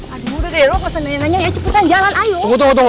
aduh udah kaya rokok seneng seneng aja cepetan jalan ayo